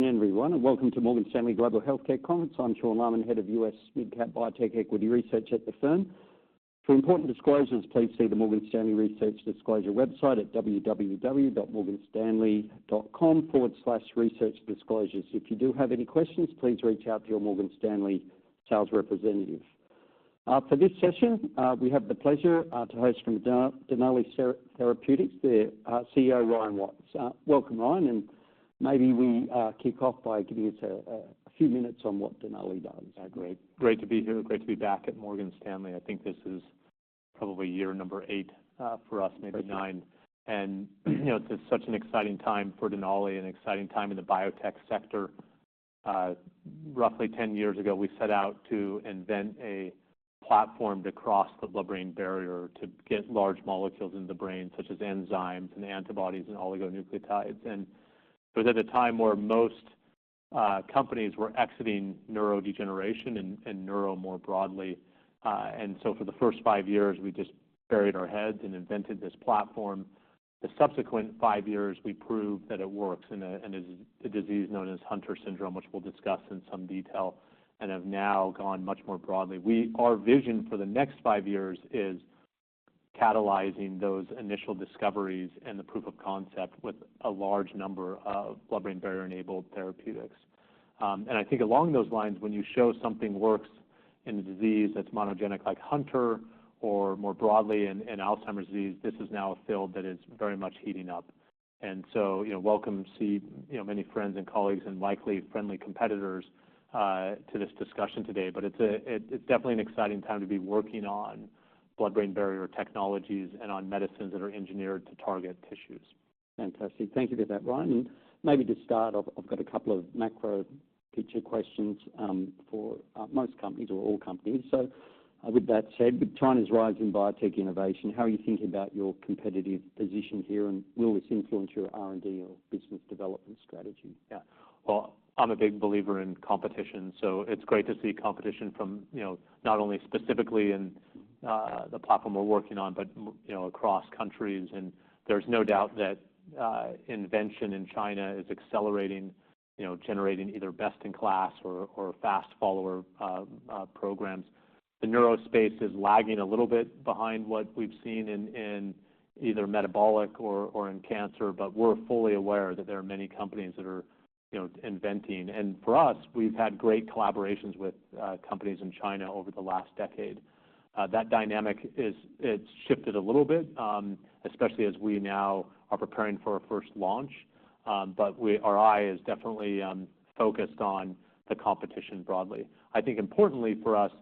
Good evening everyone, and welcome to Morgan Stanley Global Healthcare Conference. I'm Sean Laaman, Head of U.S. Mid-Cap Biotech Equity Research at the firm. For important disclosures, please see the Morgan Stanley Research Disclosure website at www.morganstanley.com/researchdisclosures. If you do have any questions, please reach out to your Morgan Stanley sales representative. For this session, we have the pleasure to host from Denali Therapeutics, their CEO, Ryan Watts. Welcome, Ryan, and maybe we kick off by giving us a few minutes on what Denali does. Great. Great to be here, great to be back at Morgan Stanley. I think this is probably year number eight for us, maybe nine, and it's such an exciting time for Denali, an exciting time in the biotech sector. Roughly 10 years ago, we set out to invent a platform to cross the blood-brain barrier to get large molecules in the brain, such as enzymes and antibodies and oligonucleotides, and it was at a time where most companies were exiting neurodegeneration and neuro more broadly, and so for the first five years, we just buried our heads and invented this platform. The subsequent five years, we proved that it works in a disease known as Hunter syndrome, which we'll discuss in some detail, and have now gone much more broadly. Our vision for the next five years is catalyzing those initial discoveries and the proof of concept with a large number of blood-brain barrier-enabled therapeutics, and I think along those lines, when you show something works in a disease that's monogenic like Hunter or more broadly in Alzheimer's disease, this is now a field that is very much heating up, and so welcome to see many friends and colleagues and likely friendly competitors to this discussion today, but it's definitely an exciting time to be working on blood-brain barrier technologies and on medicines that are engineered to target tissues. Fantastic. Thank you for that, Ryan. And maybe to start, I've got a couple of macro-picture questions for most companies or all companies. So with that said, with China's rising biotech innovation, how are you thinking about your competitive position here, and will this influence your R&D or business development strategy? Yeah, well, I'm a big believer in competition, so it's great to see competition from not only specifically in the platform we're working on, but across countries, and there's no doubt that invention in China is accelerating, generating either best-in-class or fast-follower programs. The neuro space is lagging a little bit behind what we've seen in either metabolic or in cancer, but we're fully aware that there are many companies that are inventing, and for us, we've had great collaborations with companies in China over the last decade. That dynamic has shifted a little bit, especially as we now are preparing for our first launch, but our eye is definitely focused on the competition broadly. I think importantly for us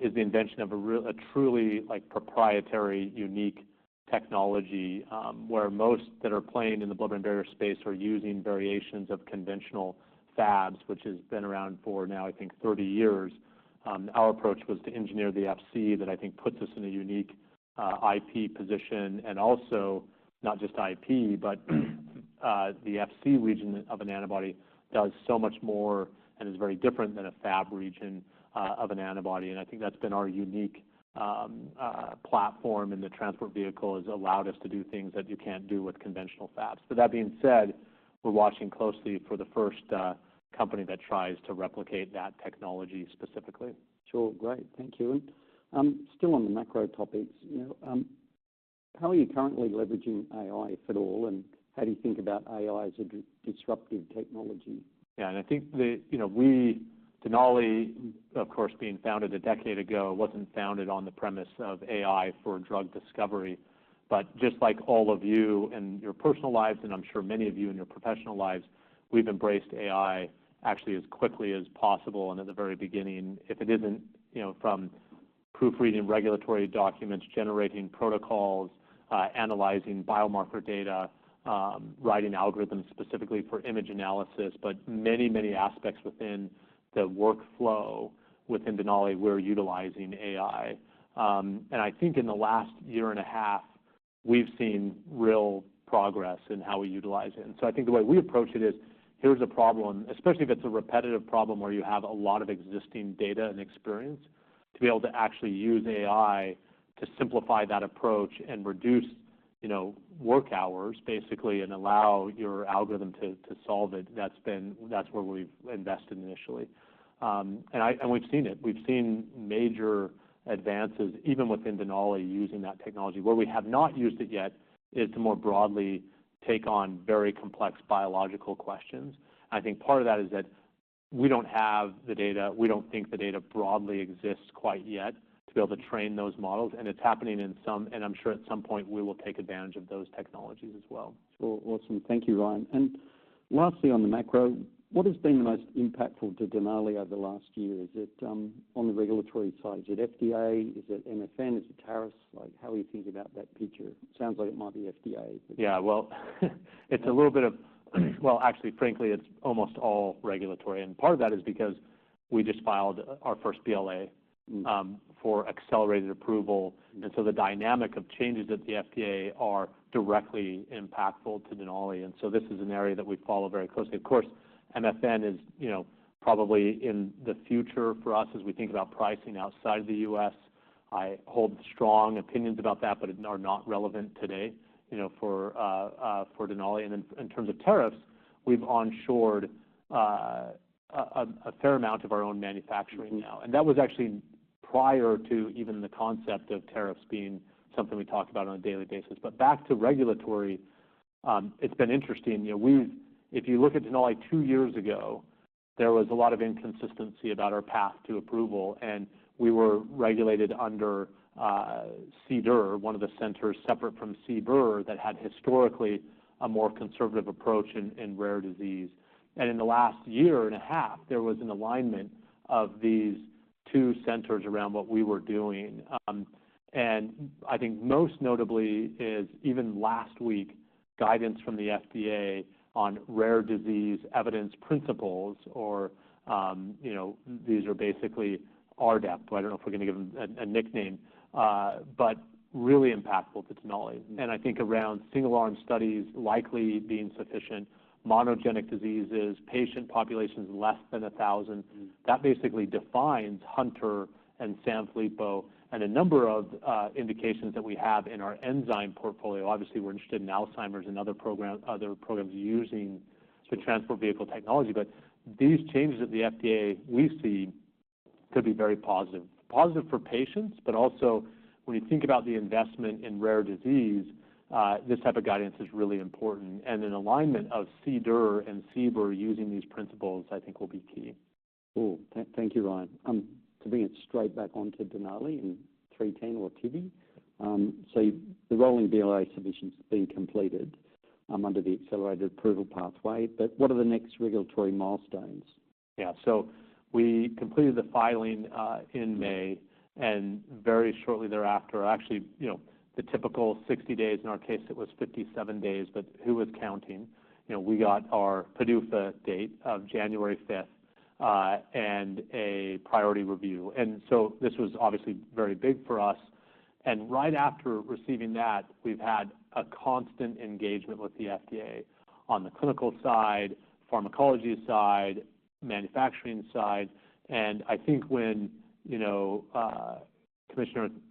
is the invention of a truly proprietary, unique technology where most that are playing in the blood-brain barrier space are using variations of conventional Fabs, which has been around for now, I think, 30 years. Our approach was to engineer the Fc that I think puts us in a unique IP position. And also not just IP, but the Fc region of an antibody does so much more and is very different than a Fab region of an antibody. And I think that's been our unique platform, and the transport vehicle has allowed us to do things that you can't do with conventional Fabs. But that being said, we're watching closely for the first company that tries to replicate that technology specifically. Sure. Great. Thank you. And still on the macro topics, how are you currently leveraging AI, if at all, and how do you think about AI as a disruptive technology? Yeah. And I think we, Denali, of course, being founded a decade ago, wasn't founded on the premise of AI for drug discovery. But just like all of you and your personal lives, and I'm sure many of you in your professional lives, we've embraced AI actually as quickly as possible and at the very beginning. If it isn't from proofreading regulatory documents, generating protocols, analyzing biomarker data, writing algorithms specifically for image analysis, but many, many aspects within the workflow within Denali, we're utilizing AI. And I think in the last year and a half, we've seen real progress in how we utilize it. And so I think the way we approach it is, here's a problem, especially if it's a repetitive problem where you have a lot of existing data and experience, to be able to actually use AI to simplify that approach and reduce work hours basically and allow your algorithm to solve it, that's where we've invested initially. And we've seen it. We've seen major advances even within Denali using that technology. Where we have not used it yet is to more broadly take on very complex biological questions. I think part of that is that we don't have the data. We don't think the data broadly exists quite yet to be able to train those models. And it's happening in some, and I'm sure at some point we will take advantage of those technologies as well. Sure. Awesome. Thank you, Ryan. And lastly on the macro, what has been the most impactful to Denali over the last year? Is it on the regulatory side? Is it FDA? Is it MFN? Is it tariffs? How are you thinking about that picture? Sounds like it might be FDA. Yeah. Well, it's a little bit of, well, actually, frankly, it's almost all regulatory. Part of that is because we just filed our first BLA for accelerated approval. So the dynamic of changes at the FDA are directly impactful to Denali. This is an area that we follow very closely. Of course, MFN is probably in the future for us as we think about pricing outside of the U.S. I hold strong opinions about that, but are not relevant today for Denali. Then in terms of tariffs, we've onshored a fair amount of our own manufacturing now. That was actually prior to even the concept of tariffs being something we talk about on a daily basis. Back to regulatory, it's been interesting. If you look at Denali, two years ago, there was a lot of inconsistency about our path to approval. And we were regulated under CDER, one of the centers separate from CBER that had historically a more conservative approach in rare disease. And in the last year and a half, there was an alignment of these two centers around what we were doing. And I think most notably is even last week, guidance from the FDA on rare disease evidence principles or these are basically RDEP, but I don't know if we're going to give them a nickname, but really impactful to Denali. And I think around single-arm studies likely being sufficient, monogenic diseases, patient populations less than 1,000, that basically defines Hunter and Sanfilippo and a number of indications that we have in our enzyme portfolio. Obviously, we're interested in Alzheimer's and other programs using the transport vehicle technology. But these changes at the FDA we see could be very positive. Positive for patients, but also when you think about the investment in rare disease, this type of guidance is really important and an alignment of CDER and CBER using these principles, I think, will be key. Cool. Thank you, Ryan. To bring it straight back onto Denali's DNL310 or tividenofusp alfa, so the rolling BLA submissions being completed under the accelerated approval pathway, but what are the next regulatory milestones? Yeah. So we completed the filing in May and very shortly thereafter, actually the typical 60 days, in our case, it was 57 days, but who was counting? We got our PDUFA date of January 5th and a priority review. And so this was obviously very big for us. And right after receiving that, we've had a constant engagement with the FDA on the clinical side, pharmacology side, manufacturing side. And I think when Commissioner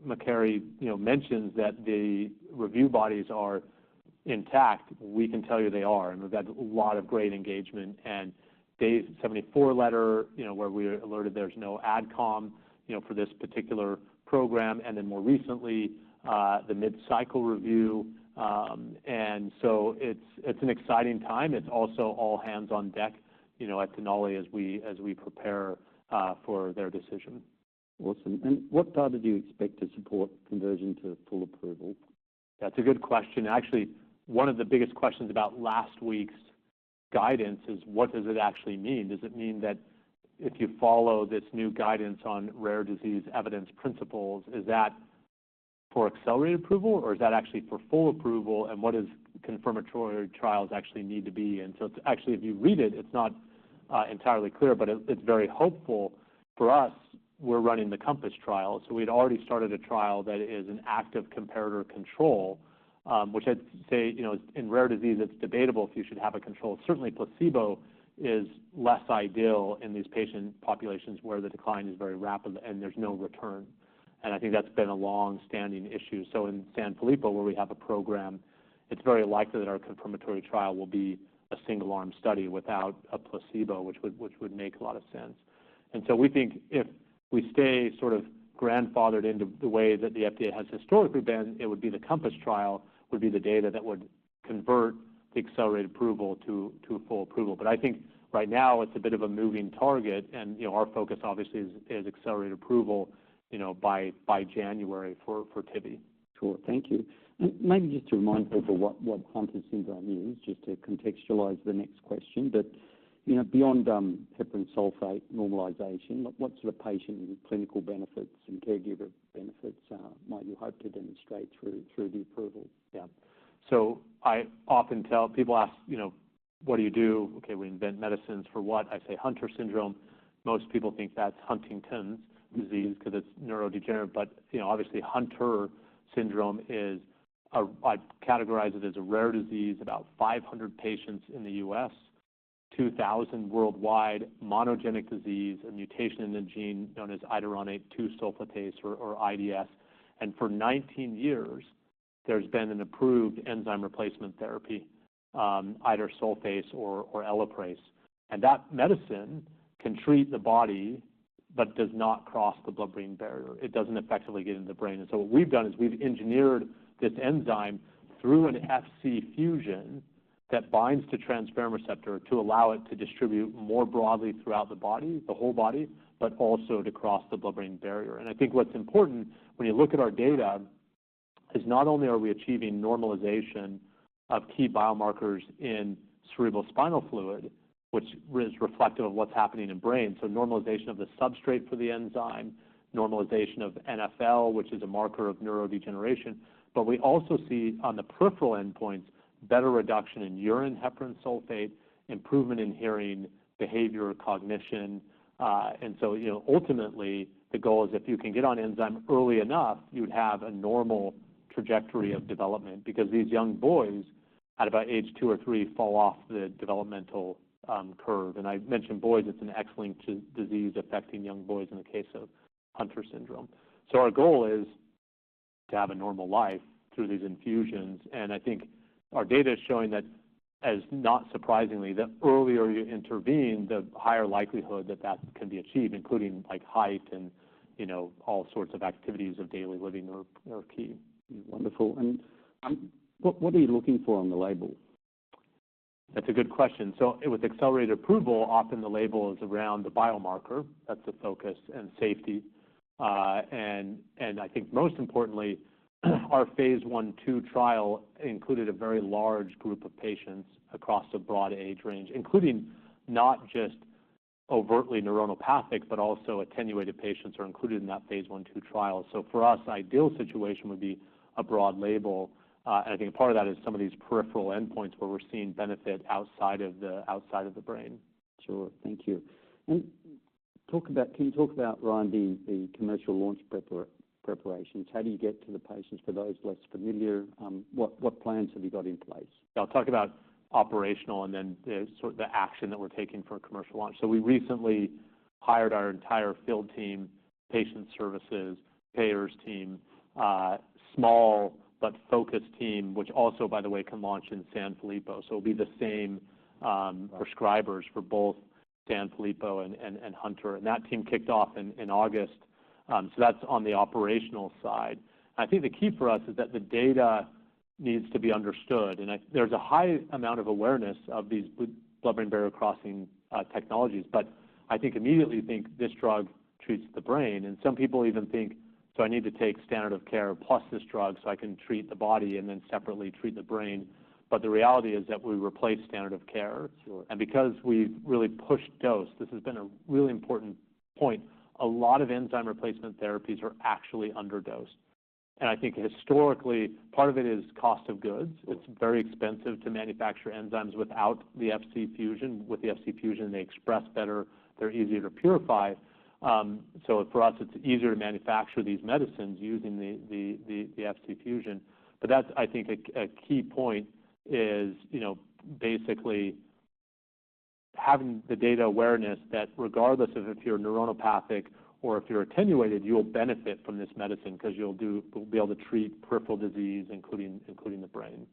Califf mentions that the review bodies are intact, we can tell you they are. And we've had a lot of great engagement and day 74 letter where we were alerted there's no adcom for this particular program. And then more recently, the mid-cycle review. And so it's an exciting time. It's also all hands on deck at Denali as we prepare for their decision. Awesome. And what part did you expect to support conversion to full approval? That's a good question. Actually, one of the biggest questions about last week's guidance is what does it actually mean? Does it mean that if you follow this new guidance on Rare Disease Evidence Principles, is that for accelerated approval or is that actually for full approval? And what does confirmatory trials actually need to be? And so actually, if you read it, it's not entirely clear, but it's very hopeful for us. We're running the COMPASS trial. So we'd already started a trial that is an active comparator control, which I'd say in rare disease, it's debatable if you should have a control. Certainly, placebo is less ideal in these patient populations where the decline is very rapid and there's no return. And I think that's been a long-standing issue. So in Sanfilippo, where we have a program, it's very likely that our confirmatory trial will be a single-arm study without a placebo, which would make a lot of sense. And so we think if we stay sort of grandfathered into the way that the FDA has historically been, it would be the COMPASS trial would be the data that would convert the accelerated approval to full approval. But I think right now, it's a bit of a moving target. And our focus obviously is accelerated approval by January for tividenofusp alfa. Sure. Thank you. And maybe just to remind people what Hunter syndrome is, just to contextualize the next question. But beyond heparan sulfate normalization, what sort of patient clinical benefits and caregiver benefits might you hope to demonstrate through the approval? Yeah. So I often tell people, ask, what do you do? Okay, we invent medicines for what? I say Hunter syndrome. Most people think that's Huntington's disease because it's neurodegenerative. But obviously, Hunter syndrome is. I categorize it as a rare disease, about 500 patients in the U.S., 2,000 worldwide, monogenic disease, a mutation in a gene known as iduronate-2-sulfatase or IDS. And for 19 years, there's been an approved enzyme replacement therapy, idursulfase or Elaprase. And that medicine can treat the body, but does not cross the blood-brain barrier. It doesn't effectively get into the brain. And so what we've done is we've engineered this enzyme through an Fc fusion that binds to transferrin receptor to allow it to distribute more broadly throughout the body, the whole body, but also to cross the blood-brain barrier. I think what's important when you look at our data is not only are we achieving normalization of key biomarkers in cerebrospinal fluid, which is reflective of what's happening in brain, so normalization of the substrate for the enzyme, normalization of NFL, which is a marker of neurodegeneration, but we also see on the peripheral endpoints, better reduction in urine heparan sulfate, improvement in hearing, behavior, cognition, and so ultimately, the goal is if you can get on enzyme early enough, you'd have a normal trajectory of development because these young boys at about age two or three fall off the developmental curve, and I mentioned boys, it's an X-linked disease affecting young boys in the case of Hunter syndrome, so our goal is to have a normal life through these infusions. I think our data is showing that, as not surprisingly, the earlier you intervene, the higher likelihood that that can be achieved, including height and all sorts of activities of daily living are key. Wonderful. And what are you looking for on the label? That's a good question. So with accelerated approval, often the label is around the biomarker. That's the focus and safety. And I think most importantly, our phase one two trial included a very large group of patients across a broad age range, including not just overtly neuronopathic, but also attenuated patients are included in that phase one two trial. So for us, ideal situation would be a broad label. And I think a part of that is some of these peripheral endpoints where we're seeing benefit outside of the brain. Sure. Thank you. And can you talk about, Ryan, the commercial launch preparations? How do you get to the patients for those less familiar? What plans have you got in place? I'll talk about operational and then the action that we're taking for a commercial launch. So we recently hired our entire field team, patient services, payers team, small but focused team, which also, by the way, can launch in Sanfilippo. So it'll be the same prescribers for both Sanfilippo and Hunter. And that team kicked off in August. So that's on the operational side. I think the key for us is that the data needs to be understood. And there's a high amount of awareness of these blood-brain barrier crossing technologies. But I think immediately you think this drug treats the brain. And some people even think, so I need to take standard of care plus this drug so I can treat the body and then separately treat the brain. But the reality is that we replace standard of care. Because we've really pushed dose, this has been a really important point. A lot of enzyme replacement therapies are actually underdosed. I think historically, part of it is cost of goods. It's very expensive to manufacture enzymes without the FC fusion. With the FC fusion, they express better. They're easier to purify. For us, it's easier to manufacture these medicines using the FC fusion. That's, I think, a key point is basically having the data awareness that regardless of if you're neuronopathic or if you're attenuated, you'll benefit from this medicine because you'll be able to treat peripheral disease, including the brain.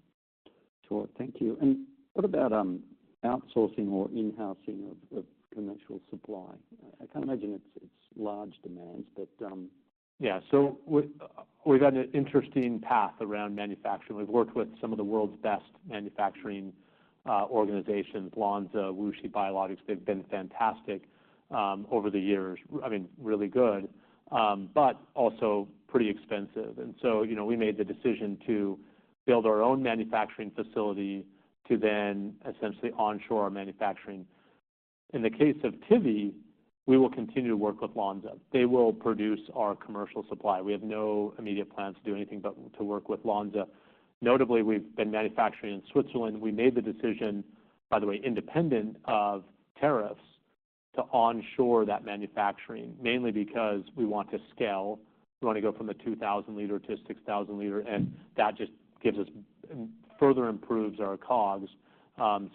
Sure. Thank you. And what about outsourcing or in-housing of commercial supply? I can't imagine it's large demands, but. Yeah, so we've had an interesting path around manufacturing. We've worked with some of the world's best manufacturing organizations, Lonza, WuXi Biologics. They've been fantastic over the years. I mean, really good, but also pretty expensive, and so we made the decision to build our own manufacturing facility to then essentially onshore our manufacturing. In the case of Tivi, we will continue to work with Lonza. They will produce our commercial supply. We have no immediate plans to do anything but to work with Lonza. Notably, we've been manufacturing in Switzerland. We made the decision, by the way, independent of tariffs to onshore that manufacturing, mainly because we want to scale. We want to go from the 2,000 liter to 6,000 liter, and that just gives us further improves our COGS.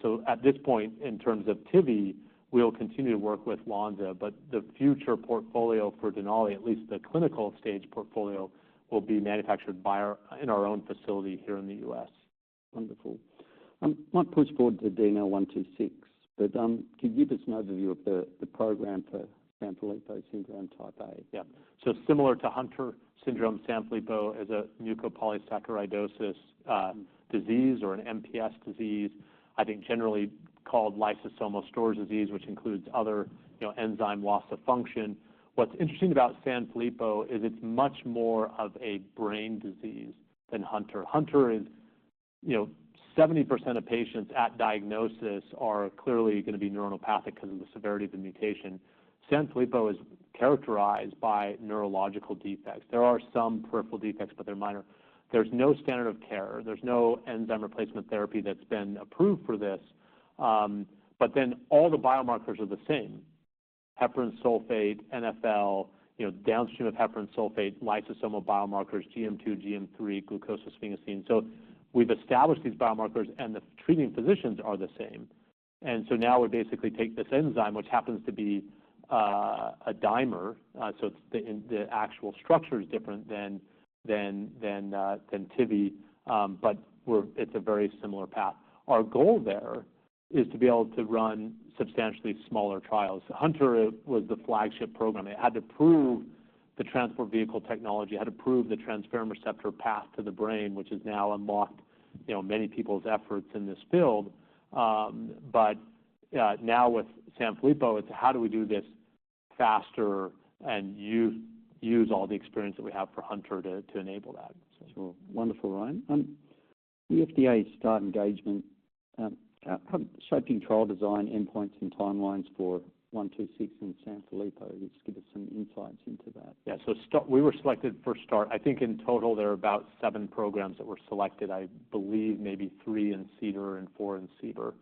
So at this point, in terms of Tivi, we'll continue to work with Lonza. But the future portfolio for Denali, at least the clinical stage portfolio, will be manufactured in our own facility here in the U.S. Wonderful. Might push forward to DNL126, but can you give us an overview of the program for Sanfilippo syndrome type A? Yeah. So similar to Hunter syndrome, Sanfilippo is a mucopolysaccharidosis disease or an MPS disease. I think generally called lysosomal storage disease, which includes other enzyme loss of function. What's interesting about Sanfilippo is it's much more of a brain disease than Hunter. Hunter is 70% of patients at diagnosis are clearly going to be neuronopathic because of the severity of the mutation. Sanfilippo is characterized by neurological defects. There are some peripheral defects, but they're minor. There's no standard of care. There's no enzyme replacement therapy that's been approved for this. But then all the biomarkers are the same: heparan sulfate, NFL, downstream of heparan sulfate, lysosomal biomarkers, GM2, GM3, glucosylsphingosine. So we've established these biomarkers and the treating physicians are the same. And so now we basically take this enzyme, which happens to be a dimer. So the actual structure is different than Tivi, but it's a very similar path. Our goal there is to be able to run substantially smaller trials. Hunter was the flagship program. It had to prove the transport vehicle technology. It had to prove the transferrin receptor path to the brain, which has now unlocked many people's efforts in this field. But now with Sanfilippo, it's how do we do this faster and use all the experience that we have for Hunter to enable that. Sure. Wonderful, Ryan. The FDA start engagement, how do you trial design endpoints and timelines for 126 and Sanfilippo? Just give us some insights into that. Yeah. So we were selected for start. I think in total, there are about seven programs that were selected. I believe maybe three in CDER and four in CBER.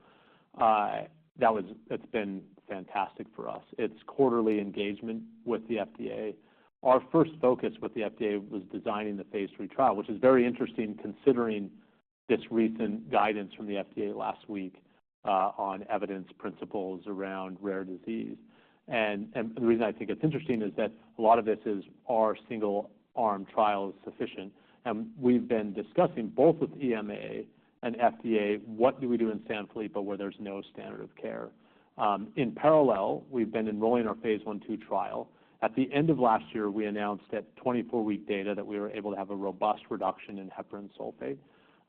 That's been fantastic for us. It's quarterly engagement with the FDA. Our first focus with the FDA was designing the phase 3 trial, which is very interesting considering this recent guidance from the FDA last week on evidence principles around rare disease. And the reason I think it's interesting is that a lot of this is our single-arm trial is sufficient. And we've been discussing both with EMA and FDA, what do we do in Sanfilippo where there's no standard of care. In parallel, we've been enrolling our phase 1/2 trial. At the end of last year, we announced 24-week data that we were able to have a robust reduction in heparan sulfate.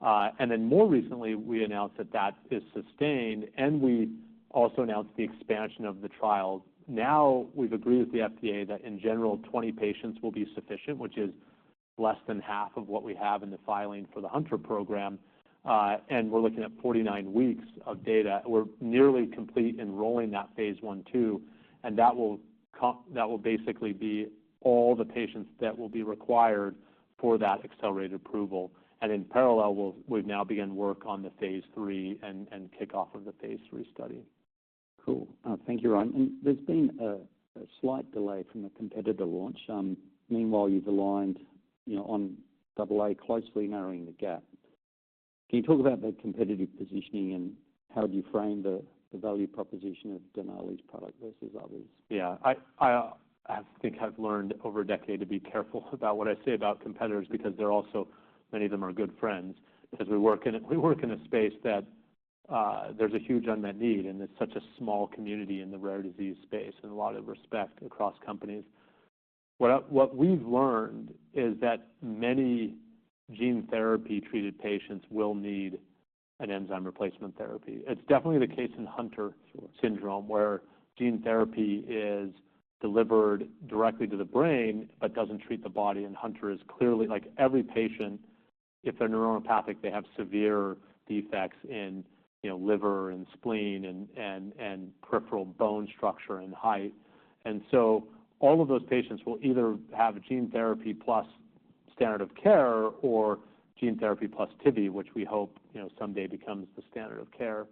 And then, more recently, we announced that that is sustained. And we also announced the expansion of the trial. Now we've agreed with the FDA that in general, 20 patients will be sufficient, which is less than half of what we have in the filing for the Hunter program. And we're looking at 49 weeks of data. We're nearly complete enrolling that phase 1/2. And that will basically be all the patients that will be required for that accelerated approval. And in parallel, we've now begun work on the phase 3 and kickoff of the phase 3 study. Cool. Thank you, Ryan. And there's been a slight delay from a competitor launch. Meanwhile, you've aligned on Aβ closely narrowing the gap. Can you talk about the competitive positioning and how do you frame the value proposition of Denali's product versus others? Yeah. I think I've learned over a decade to be careful about what I say about competitors because they're also many of them are good friends. Because we work in a space that there's a huge unmet need and it's such a small community in the rare disease space and a lot of respect across companies. What we've learned is that many gene therapy treated patients will need an enzyme replacement therapy. It's definitely the case in Hunter syndrome where gene therapy is delivered directly to the brain, but doesn't treat the body, and Hunter is clearly like every patient, if they're neuronopathic, they have severe defects in liver and spleen and peripheral bone structure and height, and so all of those patients will either have gene therapy plus standard of care or gene therapy plus DNL310, which we hope someday becomes the standard of care.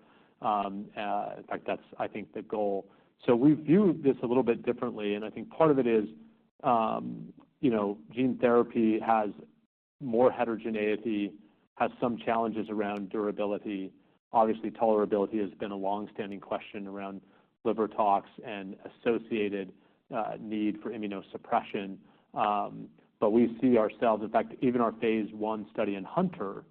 In fact, that's, I think, the goal, so we view this a little bit differently, and I think part of it is gene therapy has more heterogeneity, has some challenges around durability. Obviously, tolerability has been a longstanding question around liver tox and associated need for immunosuppression, but we see ourselves, in fact, even our phase one study in Hunter,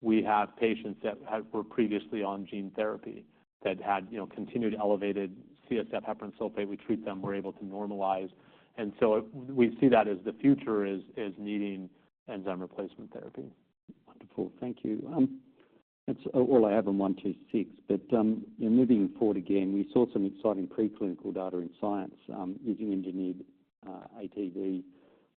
we have patients that were previously on gene therapy that had continued elevated CSF heparan sulfate. We treat them, we're able to normalize, and so we see that as the future is needing enzyme replacement therapy. Wonderful. Thank you. That's all I have on 126. But moving forward again, we saw some exciting preclinical data in science using engineered ATV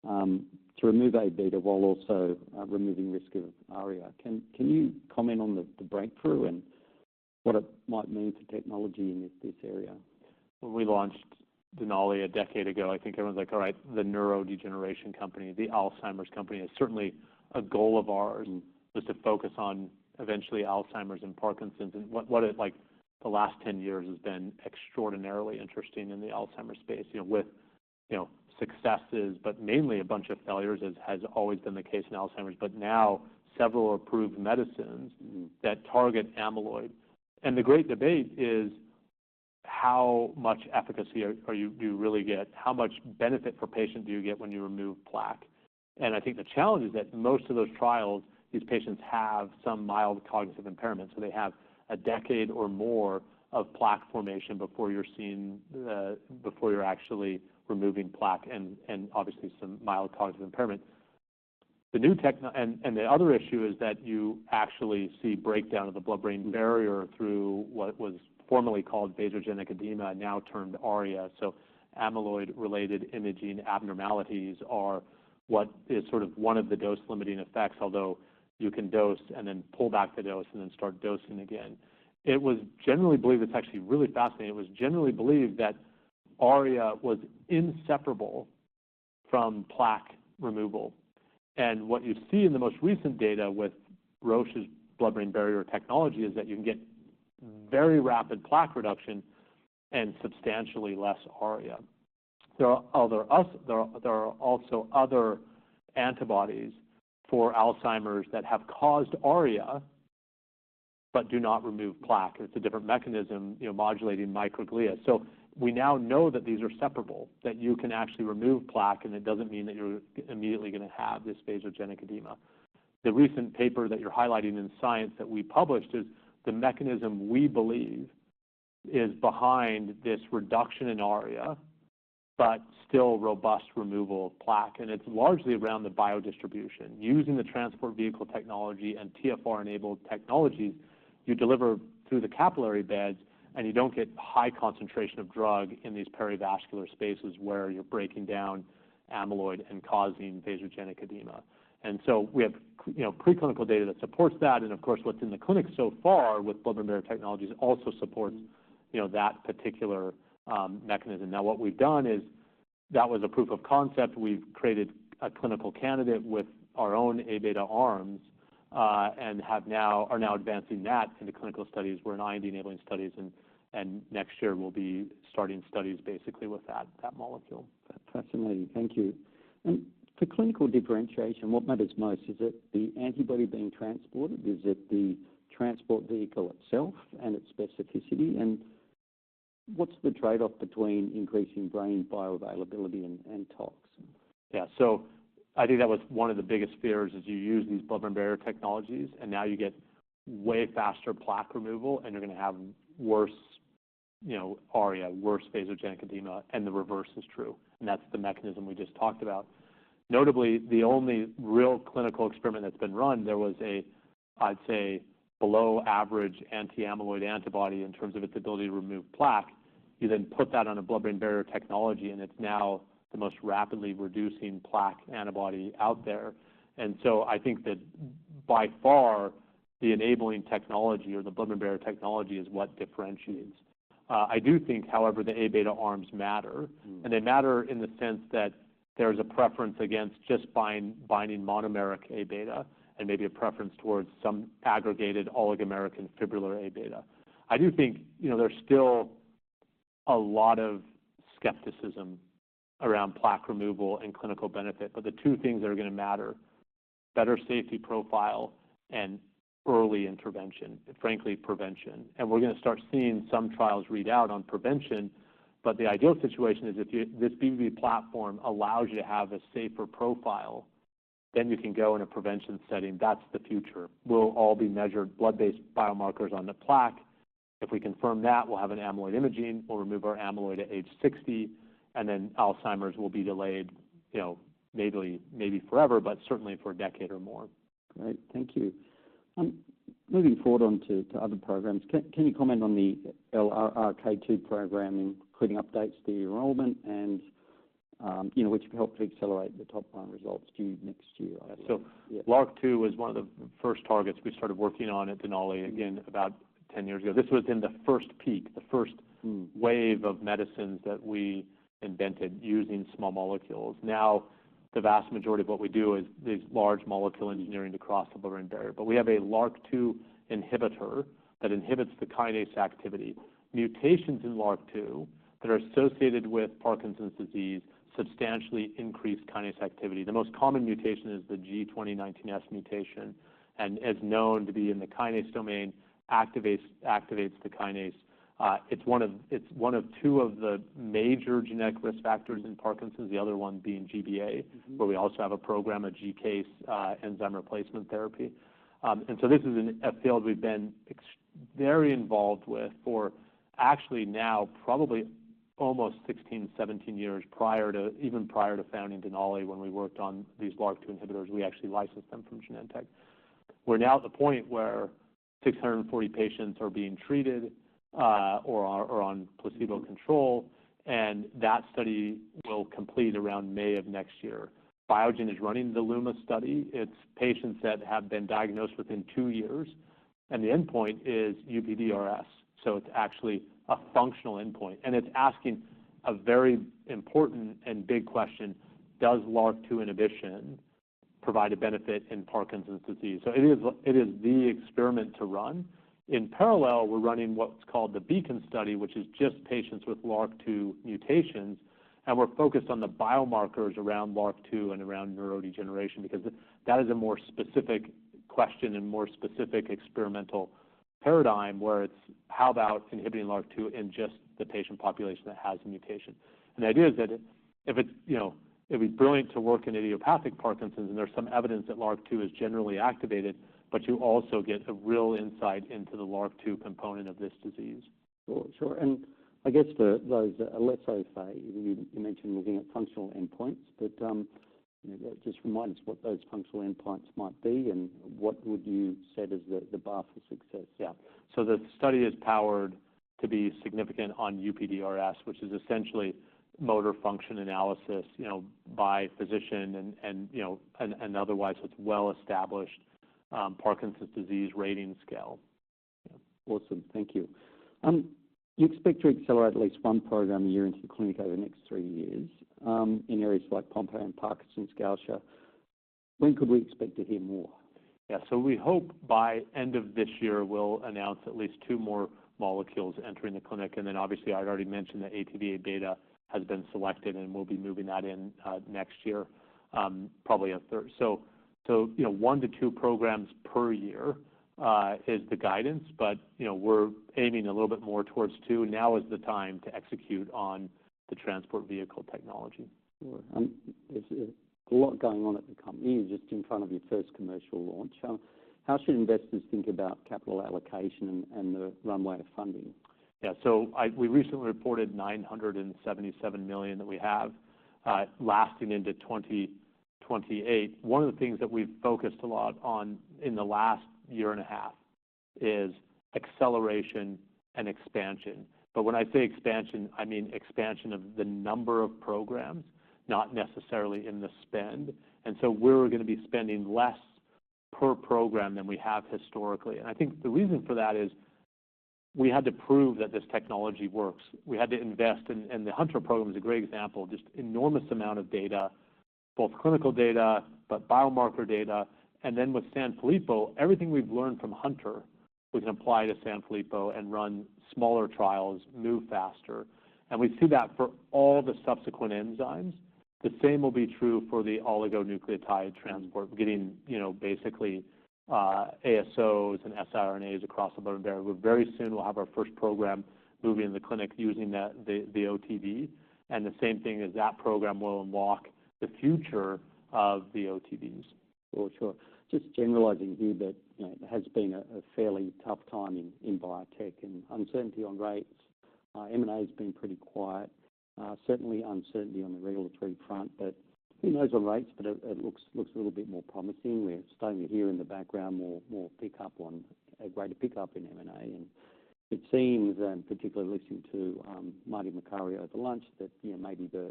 to remove Abeta while also removing risk of ARIA. Can you comment on the breakthrough and what it might mean for technology in this area? When we launched Denali a decade ago, I think everyone's like, "All right, the neurodegeneration company, the Alzheimer's company." It's certainly a goal of ours was to focus on eventually Alzheimer's and Parkinson's. And what the last 10 years has been extraordinarily interesting in the Alzheimer's space with successes, but mainly a bunch of failures has always been the case in Alzheimer's. But now several approved medicines that target amyloid. And the great debate is how much efficacy do you really get? How much benefit for patient do you get when you remove plaque? And I think the challenge is that most of those trials, these patients have some mild cognitive impairment. So they have a decade or more of plaque formation before you're actually removing plaque and obviously some mild cognitive impairment. The other issue is that you actually see breakdown of the blood-brain barrier through what was formerly called vasogenic edema, now termed ARIA. So amyloid-related imaging abnormalities are what is sort of one of the dose-limiting effects, although you can dose and then pull back the dose and then start dosing again. It was generally believed. It's actually really fascinating. It was generally believed that ARIA was inseparable from plaque removal. And what you see in the most recent data with Roche's blood-brain barrier technology is that you can get very rapid plaque reduction and substantially less ARIA. There are also other antibodies for Alzheimer's that have caused ARIA but do not remove plaque. It's a different mechanism, modulating microglia. So we now know that these are separable, that you can actually remove plaque, and it doesn't mean that you're immediately going to have this vasogenic edema. The recent paper that you're highlighting in Science that we published is the mechanism we believe is behind this reduction in ARIA, but still robust removal of plaque. And it's largely around the biodistribution. Using the transport vehicle technology and TfR enabled technologies, you deliver through the capillary beds, and you don't get high concentration of drug in these perivascular spaces where you're breaking down amyloid and causing vasogenic edema. And so we have preclinical data that supports that. And of course, what's in the clinic so far with blood-brain barrier technologies also supports that particular mechanism. Now, what we've done is that was a proof of concept. We've created a clinical candidate with our own A beta arms and are now advancing that into clinical studies. We're in IND-enabling studies, and next year we'll be starting studies basically with that molecule. Fascinating. Thank you. And for clinical differentiation, what matters most? Is it the antibody being transported? Is it the transport vehicle itself and its specificity? And what's the trade-off between increasing brain bioavailability and tox? Yeah, so I think that was one of the biggest fears is you use these blood-brain barrier technologies, and now you get way faster plaque removal, and you're going to have worse ARIA, worse vasogenic edema, and the reverse is true, and that's the mechanism we just talked about. Notably, the only real clinical experiment that's been run, there was a, I'd say, below average anti-amyloid antibody in terms of its ability to remove plaque. You then put that on a blood-brain barrier technology, and it's now the most rapidly reducing plaque antibody out there, and so I think that by far the enabling technology or the blood-brain barrier technology is what differentiates. I do think, however, the A beta arms matter, and they matter in the sense that there's a preference against just binding monomeric A beta and maybe a preference towards some aggregated oligomeric and fibrillar A beta. I do think there's still a lot of skepticism around plaque removal and clinical benefit, but the two things that are going to matter: better safety profile and early intervention, frankly, prevention. And we're going to start seeing some trials read out on prevention, but the ideal situation is if this BBB platform allows you to have a safer profile, then you can go in a prevention setting. That's the future. We'll all be measured blood-based biomarkers on the plaque. If we confirm that, we'll have an amyloid imaging. We'll remove our amyloid at age 60, and then Alzheimer's will be delayed maybe forever, but certainly for a decade or more. Great. Thank you. Moving forward onto other programs, can you comment on the LRRK2 program including updates to enrollment and which helped to accelerate the top line results due next year? LRRK2 was one of the first targets we started working on at Denali again about 10 years ago. This was in the first peak, the first wave of medicines that we invented using small molecules. Now, the vast majority of what we do is large molecule engineering to cross the blood-brain barrier. But we have a LRRK2 inhibitor that inhibits the kinase activity. Mutations in LRRK2 that are associated with Parkinson's disease substantially increase kinase activity. The most common mutation is the G2019S mutation and is known to be in the kinase domain, activates the kinase. It's one of two of the major genetic risk factors in Parkinson's, the other one being GBA, where we also have a program, a GCase enzyme replacement therapy. This is a field we've been very involved with for actually now probably almost 16, 17 years prior to even prior to founding Denali when we worked on these LRRK2 inhibitors. We actually licensed them from Genentech. We're now at the point where 640 patients are being treated or are on placebo control, and that study will complete around May of next year. Biogen is running the LUMA study. It's patients that have been diagnosed within two years. The endpoint is UPDRS. It's actually a functional endpoint. It's asking a very important and big question: does LRRK2 inhibition provide a benefit in Parkinson's disease? It is the experiment to run. In parallel, we're running what's called the Beacon study, which is just patients with LRRK2 mutations. We're focused on the biomarkers around LRRK2 and around neurodegeneration because that is a more specific question and more specific experimental paradigm where it's how about inhibiting LRRK2 in just the patient population that has a mutation. The idea is that it would be brilliant to work in idiopathic Parkinson's and there's some evidence that LRRK2 is generally activated, but you also get a real insight into the LRRK2 component of this disease. Sure. And I guess those, let's say, you mentioned looking at functional endpoints, but just remind us what those functional endpoints might be, and what would you set as the bar for success? Yeah. So the study is powered to be significant on UPDRS, which is essentially motor function analysis by physician, and otherwise it's well-established Parkinson's disease rating scale. Awesome. Thank you. You expect to accelerate at least one program a year into the clinic over the next three years in areas like Pompe and Parkinson's, Gaucher's. When could we expect to hear more? Yeah. So we hope by end of this year, we'll announce at least two more molecules entering the clinic. And then obviously, I'd already mentioned that ATV:Abeta has been selected and we'll be moving that in next year, probably a third. So one to two programs per year is the guidance, but we're aiming a little bit more towards two. Now is the time to execute on the transport vehicle technology. Sure. There's a lot going on at the company. You're just in front of your first commercial launch. How should investors think about capital allocation and the runway of funding? Yeah, so we recently reported $977 million that we have lasting into 2028. One of the things that we've focused a lot on in the last year and a half is acceleration and expansion, but when I say expansion, I mean expansion of the number of programs, not necessarily in the spend, and so we're going to be spending less per program than we have historically, and I think the reason for that is we had to prove that this technology works. We had to invest, and the Hunter program is a great example, just enormous amount of data, both clinical data, but biomarker data, and then with Sanfilippo, everything we've learned from Hunter, we can apply to Sanfilippo and run smaller trials, move faster, and we see that for all the subsequent enzymes. The same will be true for the oligonucleotide transport, getting basically ASOs and siRNAs across the blood-brain barrier. Very soon, we'll have our first program moving in the clinic using the OTV, and the same thing as that program will unlock the future of the OTVs. Sure. Just generalizing here, but it has been a fairly tough time in biotech and uncertainty on rates. M&A has been pretty quiet. Certainly, uncertainty on the regulatory front, but who knows on rates, but it looks a little bit more promising. We're starting to hear in the background more pickup on a greater pickup in M&A. And it seems, and particularly listening to Marty Makary at the lunch, that maybe the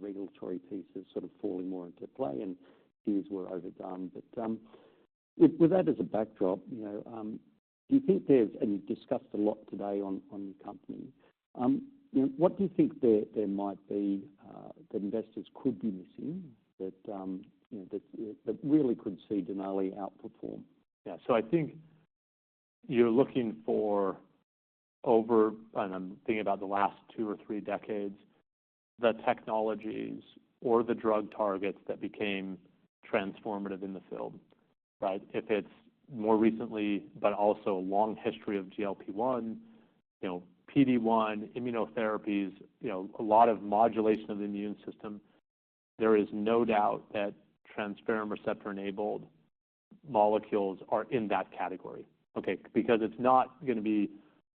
regulatory piece is sort of falling more into play and fears were overdone. But with that as a backdrop, do you think there's, and you've discussed a lot today on your company, what do you think there might be that investors could be missing that really could see Denali outperform? Yeah. So I think you're looking for over, and I'm thinking about the last two or three decades, the technologies or the drug targets that became transformative in the field, right? If it's more recently, but also a long history of GLP-1, PD-1, immunotherapies, a lot of modulation of the immune system, there is no doubt that transferrin receptor-enabled molecules are in that category. Okay. Because it's not going to be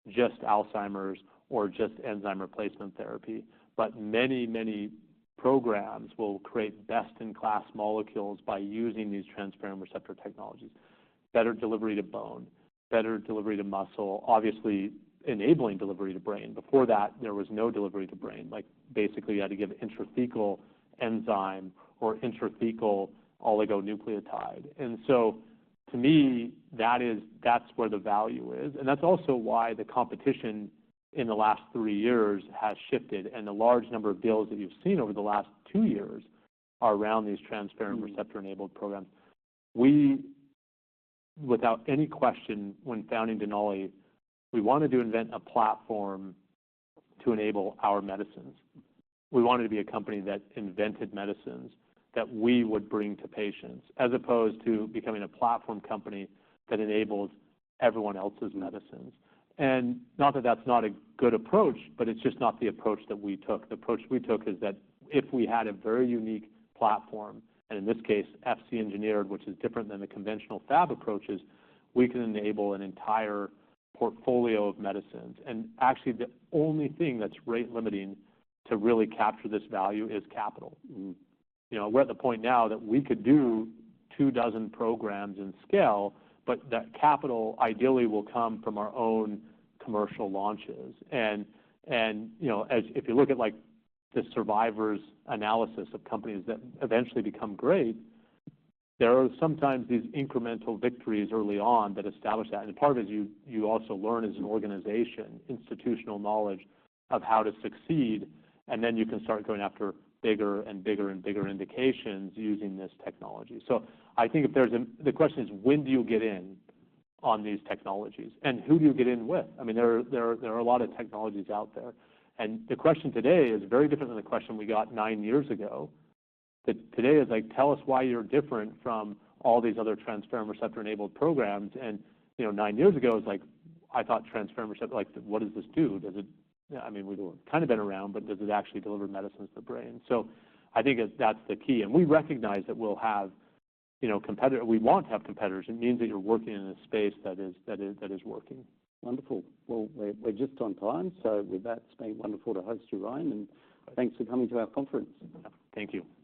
just Alzheimer's or just enzyme replacement therapy, but many, many programs will create best-in-class molecules by using these transferrin receptor technologies. Better delivery to bone, better delivery to muscle, obviously enabling delivery to brain. Before that, there was no delivery to brain. Basically, you had to give intrathecal enzyme or intrathecal oligonucleotide. And so to me, that's where the value is. And that's also why the competition in the last three years has shifted. And the large number of deals that you've seen over the last two years are around these transferrin receptor-enabled programs. We, without any question, when founding Denali, we wanted to invent a platform to enable our medicines. We wanted to be a company that invented medicines that we would bring to patients as opposed to becoming a platform company that enables everyone else's medicines. And not that that's not a good approach, but it's just not the approach that we took. The approach we took is that if we had a very unique platform, and in this case, FC engineered, which is different than the conventional Fab approaches, we can enable an entire portfolio of medicines. And actually, the only thing that's rate limiting to really capture this value is capital. We're at the point now that we could do two dozen programs in scale, but that capital ideally will come from our own commercial launches. And if you look at the survivorship analysis of companies that eventually become great, there are sometimes these incremental victories early on that establish that. And part of it is you also learn as an organization, institutional knowledge of how to succeed, and then you can start going after bigger and bigger and bigger indications using this technology. So I think the question is, when do you get in on these technologies? And who do you get in with? I mean, there are a lot of technologies out there. And the question today is very different than the question we got nine years ago. Today is like, "Tell us why you're different from all these other transferrin receptor-enabled programs." And nine years ago, it was like, "I thought transferrin receptor, what does this do?" I mean, we've kind of been around, but does it actually deliver medicines to the brain? So I think that's the key. And we recognize that we'll have competitors. We want to have competitors. It means that you're working in a space that is working. Wonderful. We're just on time. With that, it's been wonderful to host you, Ryan. Thanks for coming to our conference. Thank you. Yeah.